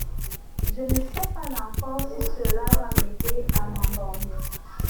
Je ne sais pas encore si cela va m’aider à m’endormir.